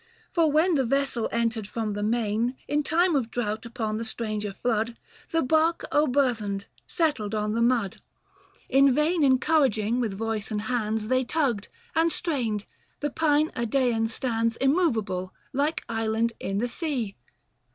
For when the vessel entered from the main, 335 In time of drought upon the stranger flood, The barque o'erburthened settled on the mud : 330 Book IV. THE FASTI. 113 In vain encouraging with voice and hands, They tugged, and strained, the pine Idsean stands Immoveable, like island in the sea.